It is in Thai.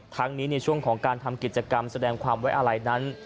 ทั้งนี้ในช่วงของการทำกิจกรรมแสดงความไว้อะไรนั้น